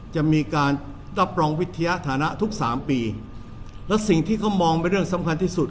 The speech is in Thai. จะมีการรับรองวิทยาฐานะทุกสามปีและสิ่งที่เขามองเป็นเรื่องสำคัญที่สุด